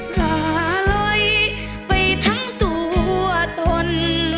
หลาลอยไปทั้งตัวตน